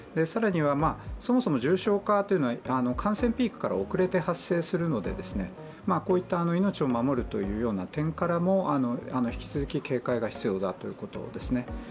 更には、そもそも重症化というのは感染ピークから遅れて発生するのでこういった命を守るというような点からも引き続き警戒が必要だということですね。